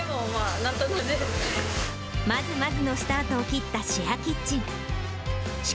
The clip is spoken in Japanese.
まずまずのスタートを切ったシェアキッチン。